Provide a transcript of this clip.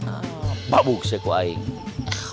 apa bukse ku aing